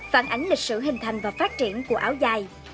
phản ánh lịch sử hình thành và phát triển của áo dài